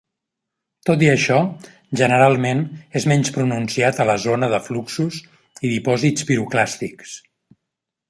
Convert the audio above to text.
Tot i això, generalment és menys pronunciat a la zona de fluxos i dipòsits piroclàstics.